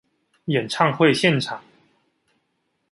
演唱會現場